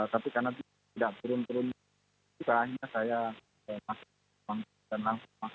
tapi karena tidak turun turun juga hanya saya langsung masuk